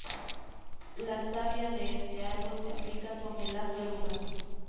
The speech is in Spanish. La savia de este árbol se aplica sobre las verrugas.